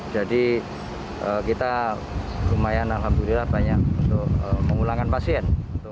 jadi kita lumayan alhamdulillah banyak untuk mengulangkan pasien